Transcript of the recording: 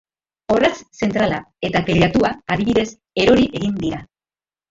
Orratz zentrala eta teilatua, adibidez, erori egin dira.